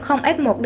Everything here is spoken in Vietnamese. được cách ly